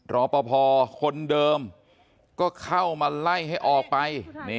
รอปภคนเดิมก็เข้ามาไล่ให้ออกไป